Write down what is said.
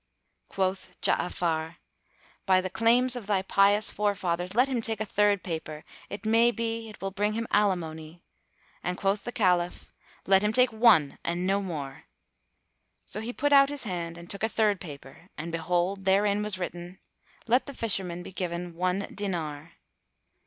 Quoth Ja'afar, "By the claims of thy pious forefathers, let him take a third paper, it may be it will bring him alimony;" and quoth the Caliph, "Let him take one and no more." So he put out his hand and took a third paper, and behold, therein was written, "Let the Fisherman be given one dinar."